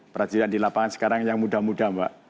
para jurid yang di lapangan sekarang yang muda muda mbak